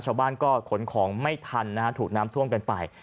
ชาวบ้านก็ขนของไม่ทันนะฮะถูกน้ำท่วมกันไป